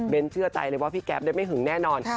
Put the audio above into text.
เชื่อใจเลยว่าพี่แก๊ปได้ไม่หึงแน่นอน